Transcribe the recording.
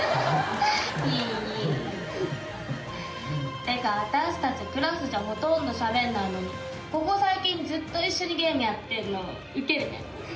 っていうか私たちクラスじゃほとんどしゃべんないのにここ最近ずっと一緒にゲームやってんのウケるね。